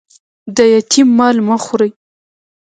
د یتیم مال مه خورئ